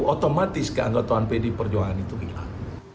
otomatis keanggotaan pdi perjuangan itu hilang